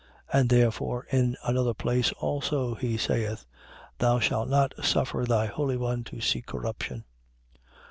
And therefore, in another place also, he saith: Thou shalt not suffer thy holy one to see corruption.